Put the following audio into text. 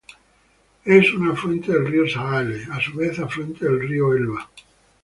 Es un afluente del río Saale, a su vez afluente del río Elba.